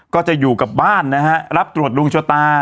ก็จะอยู่กับบ้านนะฮะรับตรวจดวงชะตา